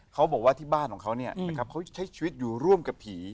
เขาบอกว่าที่บ้านของเขาเขาใช้ชีวิตอยู่ร่วมกับผี